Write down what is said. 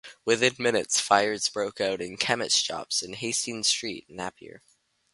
Within minutes fires broke out in chemist shops in Hastings Street, Napier.